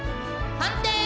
判定！